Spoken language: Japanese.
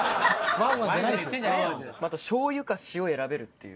また醤油か塩選べるっていう。